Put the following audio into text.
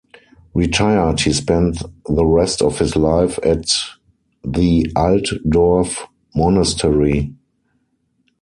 Retired, he spent the rest of his life at the Altdorf monastery.